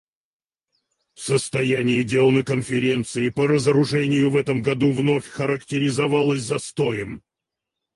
Состояние дел на Конференции по разоружению в этом году вновь характеризовалось застоем.